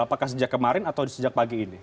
apakah sejak kemarin atau sejak pagi ini